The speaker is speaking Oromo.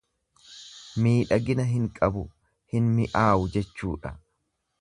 Miidhagina hin qabu, hin mi'aawu jechuudha.